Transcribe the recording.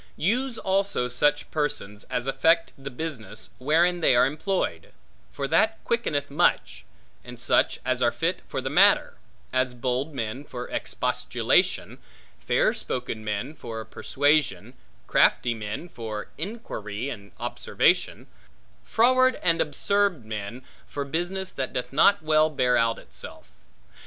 Use also such persons as affect the business, wherein they are employed; for that quickeneth much; and such, as are fit for the matter; as bold men for expostulation, fair spoken men for persuasion, crafty men for inquiry and observation, froward, and absurd men, for business that doth not well bear out itself.